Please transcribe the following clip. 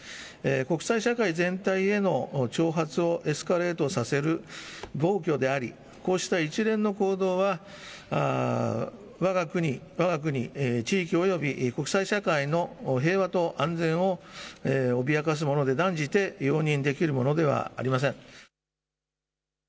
国際社会全体への挑発をエスカレートさせる暴挙でありこうした一連の行動はわが国、地域、および国際社会の平和と安全を脅かすもので断じて容認できるものではありません。